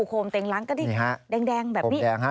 โคมเต็งหลังก็ได้แดงแบบนี้